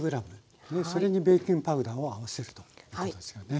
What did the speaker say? それにベーキングパウダーを合わせるということですよね。